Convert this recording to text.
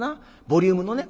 ボリュームのね